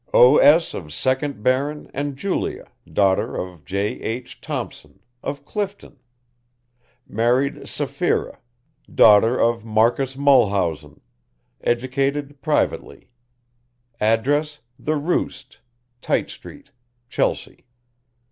O. S. of second Baron and Julia d. of J. H. Thompson, of Clifton, m. Sapphira. d. of Marcus Mulhausen, educ. privately. Address The Roost, Tite Street, Chelsea.